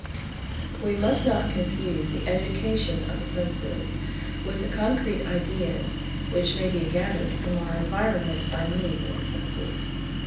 We must not confuse the education of the senses, with the concrete ideas which may be gathered from our environment by means of the senses.